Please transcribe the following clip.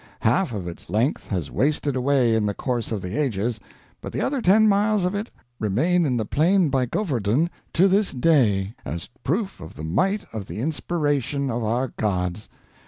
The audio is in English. Half of its length has wasted away in the course of the ages, but the other ten miles of it remain in the plain by Govardhun to this day as proof of the might of the inspiration of our gods.